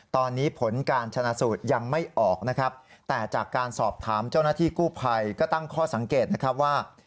ตอนนี้ผลการชนะสูตรยังไม่ออกนะครับแต่จากการสอบถามเจ้าหน้าที่กู้ภัยก็ตั้งข้อสังเกตนะครับว่า